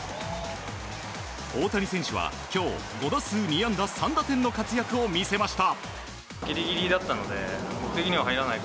大谷選手は今日５打数２安打３打点の活躍を見せました。